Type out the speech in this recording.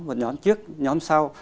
một nhóm trước nhóm sau